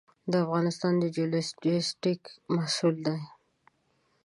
د افغانستان د جیوپولیټیک محصول ده.